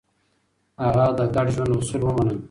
هغه د ګډ ژوند اصول ومنل.